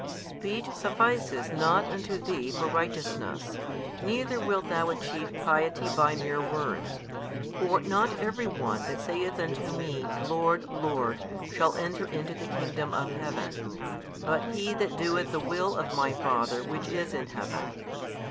Speech sufficeth not unto thee for righteousness, neither wilt thou achieve piety by mere words. For not every one that saith unto Me, Lord, Lord, shall enter into the kingdom of Heaven, but he that doeth the will of My Father Which is in Heaven.